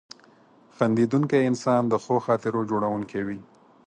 • خندېدونکی انسان د ښو خاطرو جوړونکی وي.